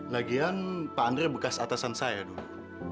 lagian pak andri bekas atasan saya dulu